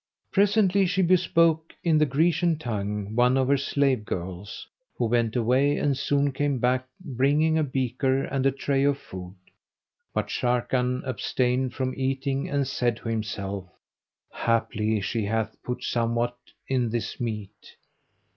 Presently she bespoke in the Grecian tongue, one of her slave girls, who went away and soon came back bringing a beaker and a tray of food; but Sharrkan abstained from eating and said to himself, "Haply she hath put somewhat in this meat."